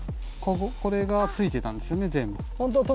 これがついてたんですよね、全部。